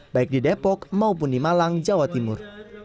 baik di depok maupun di malang jawa timur